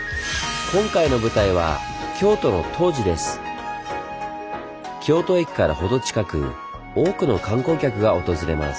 今回の舞台は京都駅から程近く多くの観光客が訪れます。